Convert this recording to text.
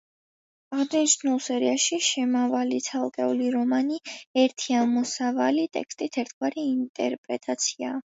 აღნიშნულ სერიაში შემავალი ცალკეული რომანი ერთი ამოსავალი ტექსტის ერთგვარი ინტერპრეტაციაა.